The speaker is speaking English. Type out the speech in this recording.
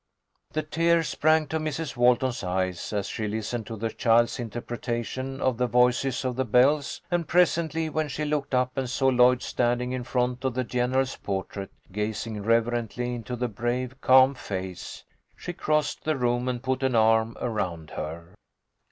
" The tears sprang to Mrs. Walton's eyes as she listened to the child's interpretation of the voices of the bells, and presently, when she looked up and saw Lloyd standing in front of the general's portrait, gazing reverently into the brave, calm face, she crossed the room and put an arm around her.